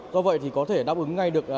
do vậy thì có thể đáp ứng ngay được